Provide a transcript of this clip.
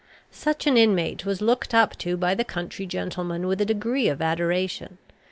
Such an inmate was looked up to by the country gentlemen with a degree of adoration.